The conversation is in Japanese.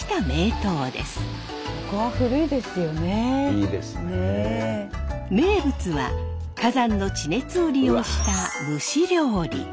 名物は火山の地熱を利用した蒸し料理。